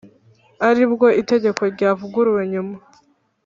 aribwo itegeko ryavuguruwe nyuma